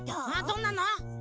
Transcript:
どんなの？